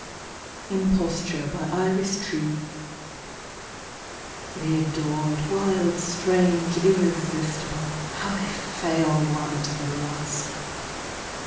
57 IRIS TREE. IMPOSTURE. THE adored, wild, strange, irresistible, How they fail one at the last